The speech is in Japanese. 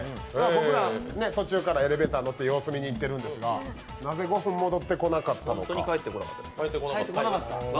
僕ら、途中からエレベーター乗って様子見に行ったんですが、本当に帰ってこなかった。